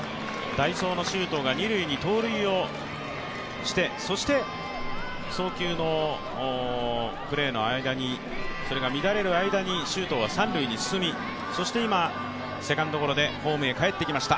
代走の周東が二塁に盗塁をして、そして送球のプレーそれが乱れる間に周東は三塁に進み、そして今、セカンドゴロでホームに帰ってきました。